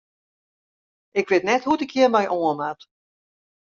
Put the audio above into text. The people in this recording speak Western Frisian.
Ik wit net hoe't ik hjir mei oan moat.